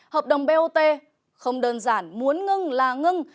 hợp đồng bot không đơn giản muốn ngưng là ngưng